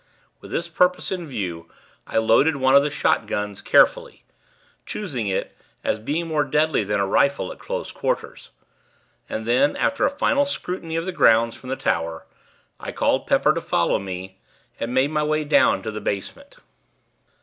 With this purpose in view, I loaded one of the shotguns, carefully choosing it, as being more deadly than a rifle, at close quarters; and then, after a final scrutiny of the grounds, from the tower, I called Pepper to follow me, and made my way down to the basement.